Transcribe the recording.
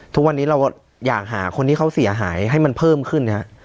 ทุกวันนี้เราอยากหาคนที่เขาเสียหายให้มันเพิ่มขึ้น